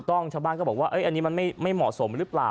ชาวบ้านก็บอกว่าอันนี้มันไม่เหมาะสมหรือเปล่า